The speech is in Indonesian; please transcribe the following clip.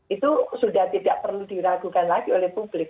itu sudah tidak perlu diragukan lagi oleh publik